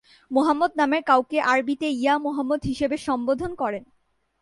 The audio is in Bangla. মোহাম্মদ নামের কাউকে আরবিতে "ইয়া মোহাম্মদ" হিসাবে সম্বোধন করেন।